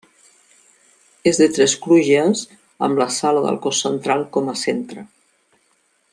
És de tres crugies, amb la sala del cos central com a centre.